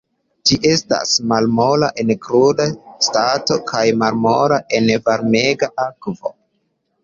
Ĝi estas malmola en kruda stato kaj malmola en varmega akvo.